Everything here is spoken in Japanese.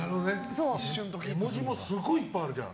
絵文字もすごいいっぱいあるじゃん。